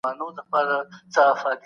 دین او دود په تمدن کي لوی رول لري.